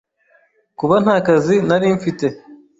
kuba nta kazi narimfite,